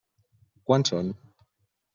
Quants són?